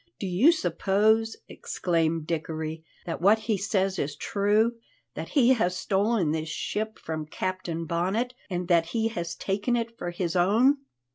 "Do you suppose," exclaimed Dickory, "that what he says is true? That he has stolen this ship from Captain Bonnet, and that he has taken it for his own?"